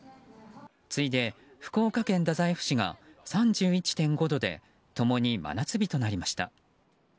続いて、福岡県太宰府市が３１．５度で共に真夏日となりました。